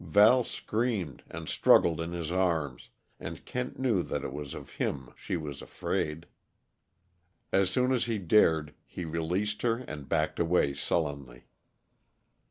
Val screamed, and struggled in his arms, and Kent knew that it was of him she was afraid. As soon as he dared, he released her and backed away sullenly.